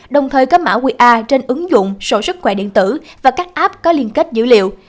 đồng thời có mã qr trên ứng dụng sổ sức khỏe điện tử và các app có liên kết dữ liệu